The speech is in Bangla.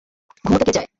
ঘুমোতে কে চায়?